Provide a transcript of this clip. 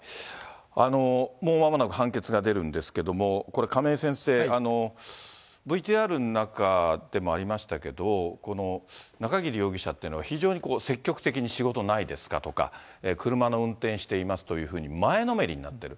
もうまもなく判決が出るんですけれども、これ、亀井先生、ＶＴＲの中でもありましたけど、中桐容疑者っていうのは非常に積極的に、仕事ないですか？とか、車の運転していますというふうに、前のめりになっている。